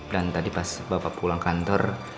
dan tadi pas bapak pulang kantor